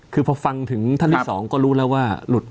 คือพอฟังถึงท่านที่๒ก็รู้แล้วว่าหลุด